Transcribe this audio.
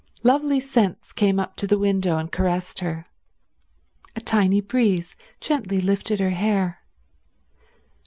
Lovely scents came up to the window and caressed her. A tiny breeze gently lifted her hair.